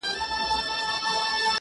په دوزخي غېږ کي به یوار جانان و نه نیسم.